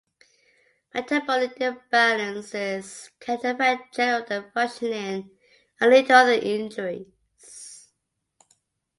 Metabolic imbalances can affect general functioning and lead to other injuries.